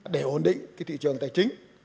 để ổn định cái thị trường tài chính